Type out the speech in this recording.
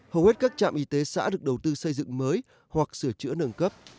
hầu hết các trạm y tế xã được đầu tư xây dựng mới hoặc sửa chữa nâng cấp